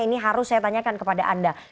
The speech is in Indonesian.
ini harus saya tanyakan kepada anda